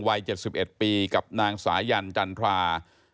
วัย๗๑ปีกับนางสายันจันทรา